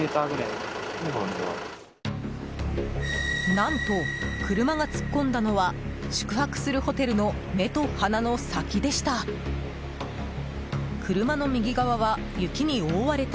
何と、車が突っ込んだのは宿泊するホテルの目と鼻の先でした。